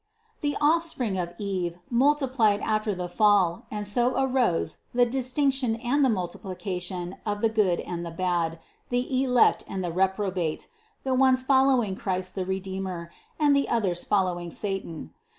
142. The offspring of Eve multiplied after the fall and so arose the distinction and the multiplication of the good and the bad, the elect and the reprobate, the ones following Christ the Redeemer, and the others follow ing satan.